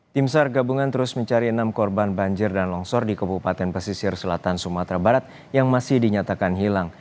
tim sar gabungan terus mencari enam korban banjir dan longsor di kabupaten pesisir selatan sumatera barat yang masih dinyatakan hilang